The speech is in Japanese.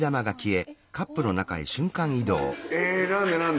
え⁉